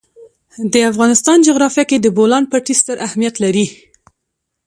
د افغانستان جغرافیه کې د بولان پټي ستر اهمیت لري.